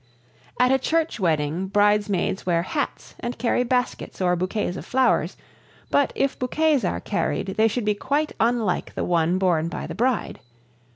At a church wedding bridesmaids wear hats and carry baskets or bouquets of flowers, but, if bouquets are carried, they should be quite unlike the one borne by the bride.